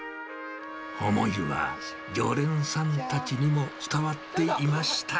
思いは常連さんたちにも伝わっていました。